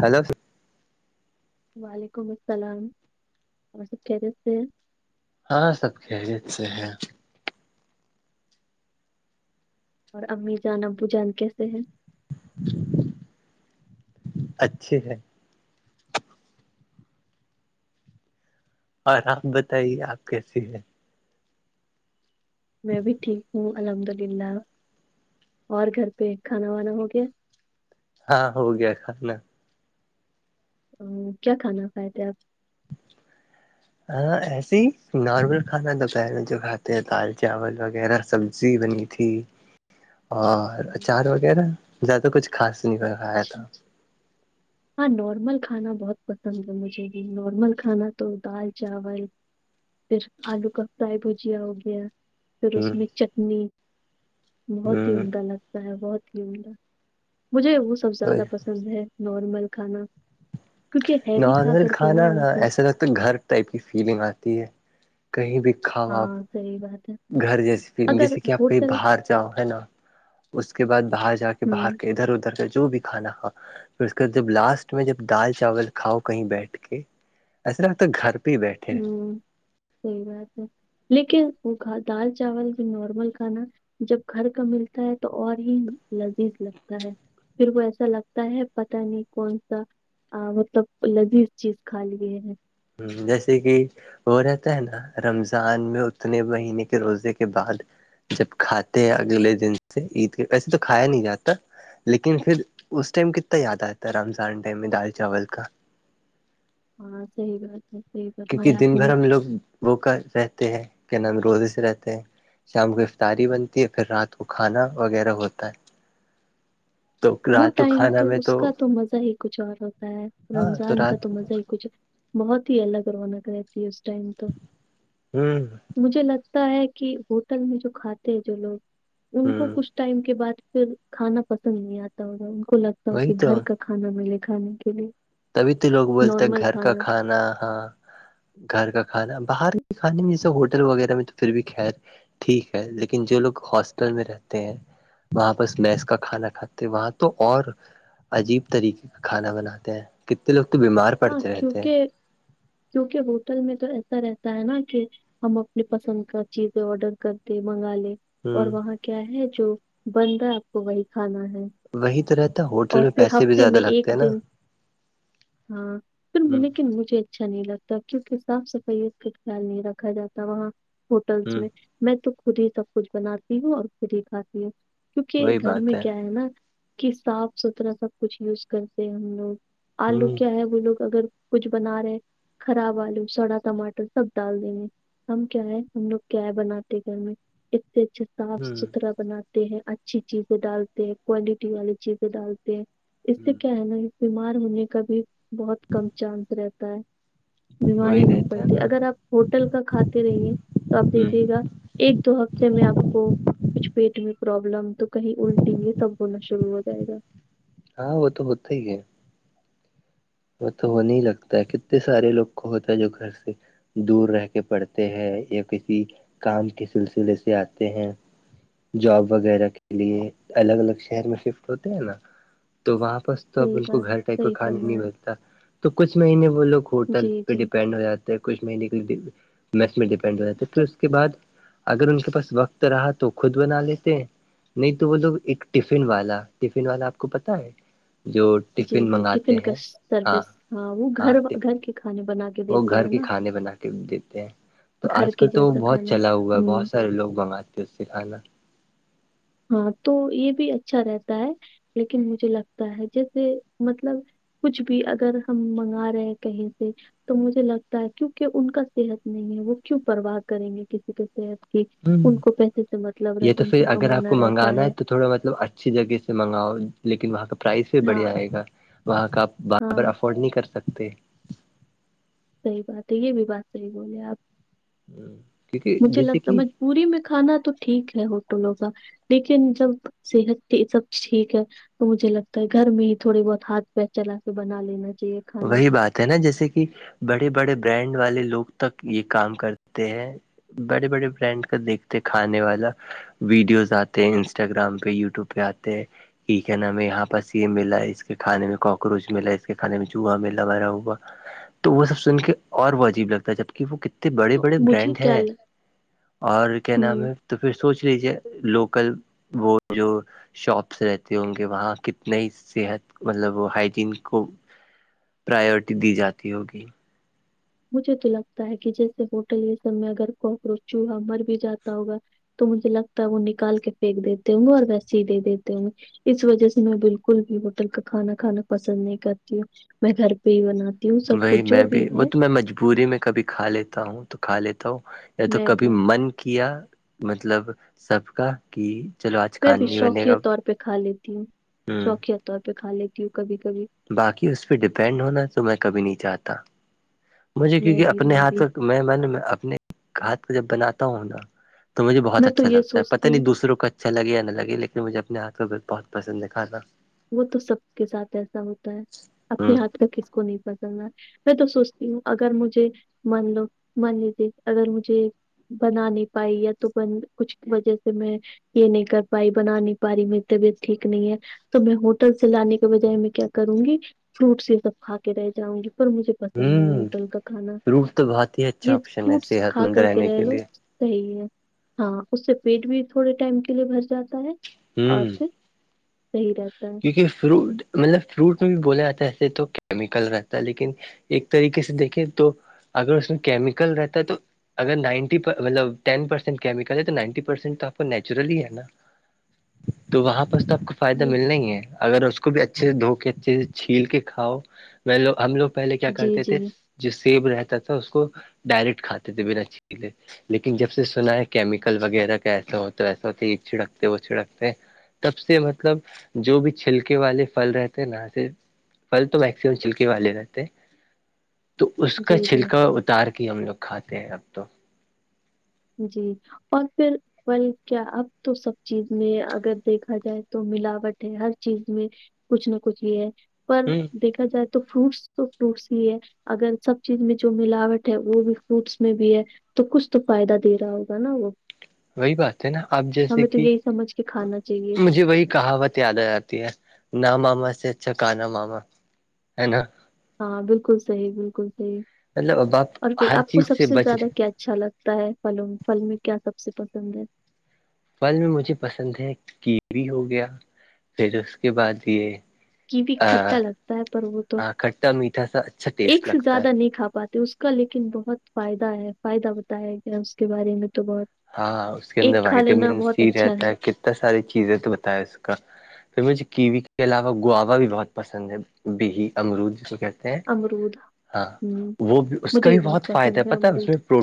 hello وعلیکم السلام سب کہہ رہے تھ ہیں ہاں سب کہریت سے ہیں اور امی جان ابو جان کیسے ہیں اچھے ہے اور آپ بتائیے آپ کیسی ہیں میں بھی ٹھیک ہوں الحمد للہ اور گھر پہ کھانا وانا ہو گیا ہاں ہو گیا کھانا کیا کھانا کھائے تھے آپ ہاں ایسے ہی نارمل کھانا دوپہر میں جو کھاتے ہیں دال چاول وغیرہ سبزی بنی تھی اور اچار وغیرہ زیادہ کچھ خاص نہیں کرایا اچھا تھا ہاں نارمل کھانا بہت پسند ہے مجھے بھی نارمل کھانا تو دال چاول پھر آلو کا فرائی بھجیا ہو گیا پھر اس ہوں میں چٹنی بہت ہی ہوں عمدہ لگتا ہے بہت ہی عمدہ مجھے وہ سب زیادہ پسند ہے نارمل کھانا کیونکہ ہیوی کھا نارمل کر کے کھانا نا مطلب ایسا لگتا گھر ٹائپ کی فیلنگ آتی ہے کہیں بھی کھاؤ آپ ہاں سی بات ہے گھر جیسے اگر جیسے کہ آپ کہیں ہوٹل باہر جاؤ ہے نا اس کے بعد باہر جا کے کہ ہوں باہر کے ادھر ادھر کے جو بھی کھانا کا پھر اس کے بعد ج لاسٹ میں جب دال چاول کھاؤ کہیں بیٹھ کے اس لگتا گھر پہ ہی بیٹھے ہیں ہوں سی بات ہے لیکن وہ کا دال چاول بھی نارمل کھانا جب گھر کا ملتا ہے تو اور ہی لذیذ لگتا ہے پھر وہ ایسا لگتا ہے پت نہیں کون سا آ مطلب لذیذ چیز کھا لیے ہیں جیسے کہ وہ رہتا ہے نا رمضان میں اتنے مہینے کے روزے کے بعد جب کھاتے ہیں اگلے دن سے عید کے ویسے تو کھایا نہیں جاتا لیکن پھر اس ٹائم کتنا یاد آتا ہے رمضان ٹائم میں دال چاول کا ہاں سی بات جی کیونکہ دن بھر ہم لوگ وہ کر رہتے ہیں کیا ن ہم روزے سے رہتے ہیں شام کو افطاری بنتی ہے پھر رات کو کھانا وغیرہ ہوتا ہے [inaudible] تو وہ رات کو ٹائم کھانا تو میں اس کا تو مزہ ہی کچھ اور ہوتا ہے ہاں رمضان کا رات تو کو مزہ ہی کچھ بہت ہی الگ رونق رہتی ہے اس ٹائم تو ہوں مجھے لگتا ہے کہ ہوٹل میں جو کھاتے ہیں جو لوگ ان ہوں کو کچھ ٹائم کے بعد پھر کھانا پسند نہیں آتا ہو ان کو لگتا ہو وہی کہ تو گھر کا کھانا ملے کھانے کے لیے تبھی تو لوگ بولتے ہیں گھر کا کھانا ہاں گھر کا کھانا باہر کے کھانے میں س ہو ہل وغیرہ میں تو پھر بھی خیر ٹھیک ہے لیکن جو لوگ ہاسٹل میں رہتے ہیں وہاں بس میس کا کھانا کھاتے ہیں وہاں تو اور عجیب طریقے کا کھانا بناتے ہیں کتنے لوگ تو بیمار ہاں پڑتے رہتے ہیں کیونکہ کیونکہ ہوٹل میں تو ایسا رہتا ہے نا کہ ہم اپنی پسند کا چیزیں آڈر کرتے منگا لے اور ہ وہاں کیا ہے جو بن رہا ہے آپ کو وہی کھانا ہے وہی تو رہتا ہوٹل اور میں پھر پیسے بھی ہفتے زیادہ میں لگتے ایک ہیں نا دن ہاں پھر ہ لیکن مجھے اچھا نہیں لگتا کیونکہ صاف صفائیت کا خیال نہیں رکھا جاتا وہاں ہوٹلس ہ میں میں تو خود ہی سب کچھ بناتی ہوں اور خود ہی کھاتی ہوں کیونکہ وہی گھر بات میں کیا ہے نا کہ صاف ستھرا سب کچھ یوز کرتے ہیں ہم لوگ آلو ہ کیا ہے وہ لوگ اگر کچھ بنا رہے خراب آلو سڑا ٹماٹر سب ڈال دیں گے ہم کیا ہے ہم لوگ کیا ہے بناتے گھر میں اتنے اچھے صاف ہ ستھرا بناتے ہیں اچھی چیزیں ڈالتے ہیں کوالٹی والی چیزیں ڈالتے ہیں اس سے ہ کیا ہے نا بیمار ہونے کا بھی بہت کم چانس رہتا ہے وہی بیماری نہیں رہتا ہے پڑتی نا اگر آپ ہوٹل کا کھاتے رہیے تو آپ ہ دیکھیے گا ایک دو ہفتے میں آپ کو کچھ پیٹ میں پروابلم تو کہیں الٹیں گے تب ہونا شروع ہو جائے گا ہاں ہو تو ہوت ہی ہے وہ تو ہونے لگتا ہے کتنے سارے لوگ کو ہوتا ہے جو گھر سے دور رہ کے پڑتے ہیں یا کسی کام کے سلسلے سے آتے ہیں جاب وغیرہ کے لیے الگ الگ شہر میں شفٹ ہوتے ہیں نا تو وہاں پرس تو اب صحیح بات بالکل گھر ٹائپ کا صحیح کھا نہیں فرمایا بلتے تو کچھ مہینے وہ لوگ ہوٹل جی پہ جی ڈیپینڈ ہو جاتے ہیں کچھ مہینے کے میس پ ڈپین پ بات پھر تو اس کے بعد اگر ان کے پاس وقت رہا تو خود بنا لیتے نہیں تو وہ لوگ ایک ٹفن والا ٹفن والا آپ کو پتا ہے جو جی ٹفن جی ٹفن منگاتے کا ہیں سروس ہاں وہ گھر گھر کے کھانے بن کے وہ دیتے گھر ہیں کے نا کھانے بنا کے دیتے ہیں تو گھر آج کل کے تو وہ جیسا بہت کھانا چلا ہوا ہے ہوں بہت سارے لوگ منگاتے ہیں اس سے کھانا ہاں تو یہ بھی اچھا رہتا ہے لیکن مجھے لگتا ہے جیسے مطلب کچھ بھی اگر ہم منگا رہے ہیں کہیں سے تو مجھے لگتا ہے کیونکہ ان کا صحت نہیں ہے وہ کیوں پرواہ کریں گے کسی کے کہ ہ ان کو پیسے سے مطلب یہ رہتا تو ان پھر کو اگر آپ کمانا کو منگانا ہے تو تھوڑا مطلب اچھی جگہ سے منگاؤ لیکن وہاں کا پرائس بھی ہاں بڑھیا آئے گا وہاں کا آپ بارابر ہاں افورڈ نہیں کر سکتے صحی بات ہے یہ بھی بات صحیح بولے آپ کیونکہ مجھے جیسے لگتا کہ م پوری میں کھانا تو ٹھیک ہے ہوٹلوں کا لیکن جب صحت سب ٹھیک ہے تو مجھے لگتا ہے گھر میں ہی تھوڑے بہت ہاتھ پیر چلا کے بنا لینا چاہیے کھانا وہی بات ہے نا جیسے کہ بڑے بڑے برانڈ والے لوگ تک یہ کام کرتے ہیں بڑے بڑے برانڈ کا دیکھتے کھانے والا ویڈیوز آتے ہیں انسٹاگررام پہ یوٹیوب پہ آتے ہیں یہ کیا نام ہے یہاں پرس یہ ملا ہے اس کے کھانے میں کاکروچ ملا ہے اس کے کھانے میں جا میلہ ویرا ہوا تو وہ سب سن کے اور وہ عجیب لگتا ہے جب کہ وہ کتنے ا بڑی تو بڑی مجھے برانڈ کیا ہے اور کیا نام ہوں ہے تو پھر سوچ لیجیے لوکل وہ جو شاپس رہتے ہوں گے وہاں کتنے ہی صحت مطلب ہائجین کو پراورٹی دی جاتی ہوگی مجھے تو لگتا ہے کہ جیسے ہوٹل یہ سب میں اگر کوکروچ چوہا مر بھی جاتا ہوگا تو مجھے لگتا ہے وہ نکال کے پھینک دیتے ہوں گے اور ویسی ہی دے دیتے ہوں گے اس وجہ سے میں بالکل بھی ہوٹل کا کھانا کھانا پسند نہیں کرتی ہ میں گھر پہ ہی بناتی ہوں سب وہی کچھ جو میں بھی وہ ہے تو میں مجبوری میں کبھی کھا لیتا ہوں تو کھا لیتا ہوں یا تو میں کبھی بھی من کیا مطلب سب کا کہ چلو میں بھی کھان نہیں بنے شوقیہ گا طور پہ کھا لیتی ہوں ہ شوقیہ طور پہ کھا لیتی ہوں کبھی کبھی باقی اس پہ ڈیپینڈ ہونا تو میں کبھی نہیں چاہتا مجھے میں کیونکہ بھی اپنے میں ہاتھ بھی کا میں میں نے اپنے ہاتھ کا جب بناتا ہوں نا تو مجھے بہت میں تو اچھا یہ لگ ہےتاہ سوچتی ہوں نہیں دوسروں کا اچھا لگے یا نہ لگے لیکن مجھے اپنے ہاتھ پ بھی بہت پسند ہے کھانا وہ تو سب کے ساتھ ایسا ہوتا ہے ہ اپنے ہاتھ کاک ک کو نہیں پسندنا میں تو سوچتی ہوں اگر مجھے مان لو مان لیے اگر مجھے بنا نہیں پائی یا تو بن کچھ وجہ سے میں یہ نہیں کر پائی بنا نہیں پا رہی میری طبیعت ٹھیک نہیں ہے تو میں ہوٹل سے لانے کے بجائے میں کیا کروں گی فروٹس یہ سب کھا کے رہ جاؤں گی پر مجھے پسند نہیں ہ ہوٹل کا کھانا فروٹ تو بہت ہی اچھا یہ آپشن ہے فروٹس صحت کھا مند کر کے رہنے رہ لو لیے صحیح ہے ہاں اس سے پیٹ بھی تھوڑے ٹائم کے لیے بھر جاتا ہے اور ہ پھر صحیح رہتا ہے کیونکہ فروٹ مطلب فروٹ میں بھی بولا جاتا ہے ایسے تو کیمیکل رہتا ہے لیکن ایک طریقے سے دیکھیں تو اگر اس میں کیمیکل رہتا ہے تو اگر نائنٹی مطلب ٹینسینٹ کیمیکل ہے تو نائنٹی پرسینٹ تو آپ کو نیچرل ہی ہے نا تو وہاں پر تب فائدہ یہ مل نہیں ہے اگر اس کو بھی اچھے سے دھو کے اچھے سے چھیل کے کھاؤ میںو ہم لوگ پہلے کیا جی کرتے تھے جی جو سیب رہتا تھا اس کو ڈائریکٹ کھاتے تھے بناچھیلے لیکن جب سے سنا ہے کیمیکل وغیرہ کاسا ہوتا ایسا ہوتا یہ چھڑکتے وہ چھڑکتے تب سے مطلب جو بھی چھلکے والے پھل رہتے ہیں ناں سے پل تو میکسمم چھلکے والے رہتے ہیں تو اس جی کا جی چھلکا اتار کے ہم لوگ کھاتے ہیں اب تو جی اور پھر بل کیا اب تو سب چیز میں اگر دیکھا جائے تو ملاوٹ ہے ہر چیز میں کچھ نہ کچھ یہ ہے پر ہ دیکھا جائے تو فروٹس تو فروٹس ہی ہے اگر سب چیز میں جو ملاوٹ ہے وہ بھی فروٹس میں بھی ہے تو کچھ تو فائدہ دے رہا ہوگا نا وہ وہی بات ہے نا آپ جیسے ہمیں تو کہ یہی سمجھ کے کھانا چاہیے مجھے وہی کہاوت یاد آ جاتی ہے نہ ماما اس سے اچھا کہانا ماما ہے نا ہاں بالکل صحیح بالکل صحیح مطلب اب آپ اور پھر ہر آپ کو چیز سب سے بچ زیادہ رہے کیا اچھا لگتا ہوتا ہےوں پھل میں کیا سب سے پسند ہے پھل میں مجھے پسند ہے کیوی ہو گیا پھر اس کے بعد یہ کی بھی کھٹا لگتا ہے پر وہ تو ہاں کھٹا میٹھا سا اچھا ایک ٹیسٹ سے لگتا ہے زیادہ نہیں کھا پاتا اس کا لیکن بہت فائدہ ہے فائدہ بتایا گیا اس کے بارے میں تو بہت ہاں اس کے اندر ایک کھا لینا وائٹامن بہت سی اچھا رہتا ہے کتنا ساری چیز ہے تو بتاائے اس کا پھر مجھے کیوی کے علاوہ گاوا بھی بہت پسند ہے بیہی امرود جس کو کہتے ہیں ہیں امرود ہاں ہوں وہ بھی اس کا بھی بہت فائدہ ہے پتا اس میں پرو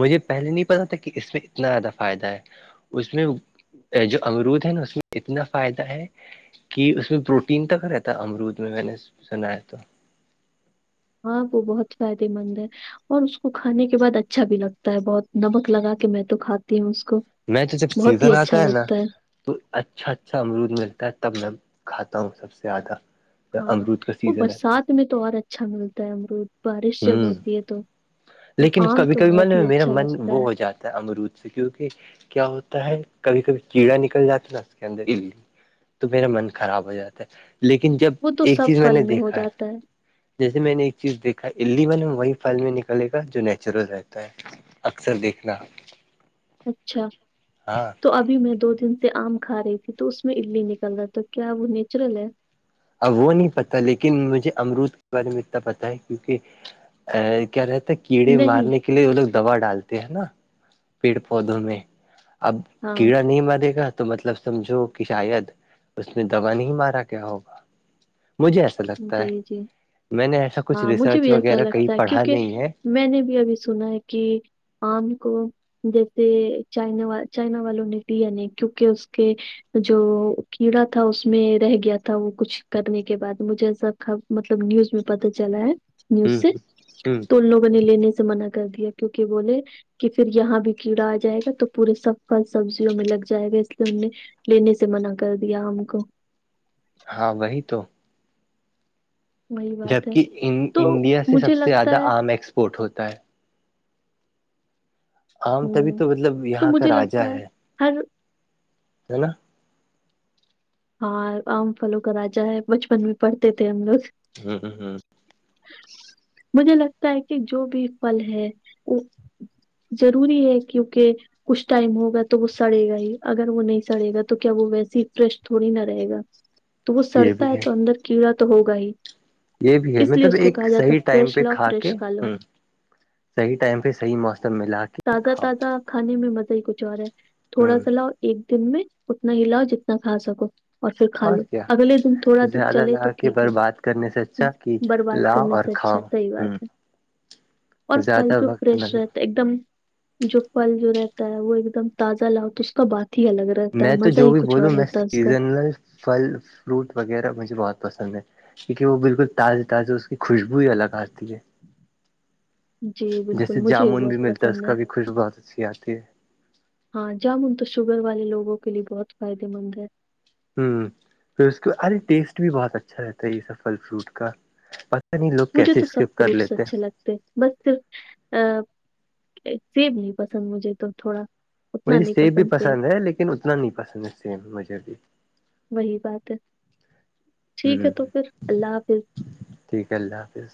مجھے پہلے نہیں پتا تھا کہ اس میں اتنا زیادہ فائدہ ہے اس میں جو امرود ہے نا اس میں اتنا فائدہ ہے کہ اس میں پروٹین تک رہتا امرود میں میں نے سنایا تو ہاں وہ بہت فائدے مند ہے اور اس کو کھانے کے بعد اچھا بھی لگتا ہے بہت نمک لگا کے میں تو کھاتی ہوں اس کو میں تو جب بہت ہی سیزن آتا اچھا ہے نا لگتا تو اچھا اچھا امرود ملتا ہے تب میں کھاتا ہوں سب سے زیادہ ہاں امرود کا وہ سیزن رہتا ہے برسات میں تو اور اچھا ملتا ہے امرود بارش جب ہوں ہوتی ہے تو اور لیکن آم کبھی تو کبھی من بہت میں ہی میرا اچھا من لگتا وہ ہو جاتا ہے امرود کیوںکہ کیا ہوتا ہے کبھی کبھی کیڑا نکل جاتا نا اس کے اندر الی تو میرا من خراب ہو جاتا ہے لیکن جب وہ تو ایک سب چیز میں پھل نے ہو دیکھا ہے جاتا جیسے میں نے ایک چیز دیکھی الی بل وہی پھل میں نکلے گا جو نیچرل رہتا ہے اکثر دیکھنا اچھا ہاں تو ابھی میں دو دن سے آم کھا رہی تھی تو اس میں الی نکل رہا تھا کیا وہ نیچرل ہے اب وہ نہیں پتا لیکن مجھے امرود کے بارے میں اتنا پتا ہے کیونکہ ا کیا رہتے کیڑے نہیں مارنے کے لیے وہ لوگ دوا ڈالتے ہے نا پیڑ پودوں میں اب ہاں، کیڑا نہیںم دے گا تو مطلب سمجھو کہ شاید اس میں دوا نہیں مارا کیا ہوگا مجھے ایسا لگتا جی، ہے جی، میں نے ایسا کچھ ہاں، مجھے ریسرچ بھی ایسا وغیرہ کہیں لگتا ہے پڑھا کیونکہ نہیں ہے میں نے بھی ابھی سنا ہے کہ آم کو جیسے چنا چائنا والوں نے دی کیونکہ اس کے جو کیڑا تھا اس میں رہ گیا تھا وہ کچھ کرنے کے بعد مجھے ایسا مطلب نیوز میں پتتا چلا ہے [unintelligible] نی اس ہ سے ہ تو ان لوگوں نے لینے سے منع کر دیا کیونکہ بولے کہ پھر یہاں بھی کیڑا آ جائے گا تو پورے سب پل سبزیوں میں لگ جائے گا اس لیے انیں لینے سے منع کر دیا ہم کو ہاں وہی تو وہی بات ہے جبک تو انڈیا سے مجھے سب سے لگتا زیادہ ہے آم ایکسپورٹ ہوتا ہے عام تبھی ہ تو مطلب تو یہاں کا مجھے راجا لگتا ہے [unintelligible] ہے نا [unintelligible] ہاں آام فلوں کا راجا ہے بچپن میں پڑھتے تھے ہم لوگ ہوں ہ ہوں مجھے لگتا ہے کہ جو بھی پل ہے وہ ضروری ہے کیونکہ کچھ ٹائم ہوگا تو وہ سڑے گا ہی اگر وہ نہیں سڑے گا تو کیا وہ ویسی فش تھوڑی نہ رہے گا تو وہ یہ سڑتا بھی ہے تو اندر کیڑا تو ہوگا ہی یہ بھی ہے اس لیے مطلب اس کو ایک کہا جاتا صحیح ٹائم فریش پہ لاؤ کھا کے فریش لو صحی ٹائم پہ صحیح موسم ملا کے تازہ کھاؤ تازہ کھانے میں مزہ ہی کچھ اور رہا ہے تھوڑا ہوں سا لاؤ ایک دن میں اتنا ہلاؤ جتنا کھا سکو اور پھر کھا لو اگلے دن تھوڑا دن زیادہ چلے تو لا کے ٹھیک ہے برباد کرنے سے اچھا کہ برباد لاؤ کرنے اور سے اچھا کھاؤ صحیح ہوں بات ہے اور زیادہ پلچو وقت نہ لو پریشت ایک دم جو فھل جو رہتا ہے وہ ایک دم تازہ لاؤ تو اس کا بات ہی الگ ہے رہتا میں تو مزہ جو ہی بھی کچھ بولوں اور میں ہوتا ہے اس کا سیزنل پھل فروٹ وغیرہ مجھے بہت پسند ہے کیونکہ وہ بالکل تازے تازے اس کی خوشبو ہی الگ آتی ہے جی بالکل جیسے مجھے جامن بھی بہت ملتا ہے اس پسند کا بھی خوشک بہت اچھی آتی ہے ہاں جامن تو شوگر والے لوگوں کے لیے بہت فائدے مند ہے پھر اس کے ارے ٹیسٹ بھی بہت اچھا رہتا ہے یہ سب پھل فروٹ کا پتہ نہیں لوگ مجھے کیسے تو سب اسکپ کر فروٹس لیتے ہیں اچھے لگتے ہیں بس صر سیب نہیں پسند مجھے تو تھوڑا مجھے سیب بھی پسند ہے لیکن اتنا نہیں پسند ہے سیم مجھے بھی وہی بات ہے ٹھیک ہے ہ تو پھر اللہ حافظ ٹھیک ہے اللہ حافظ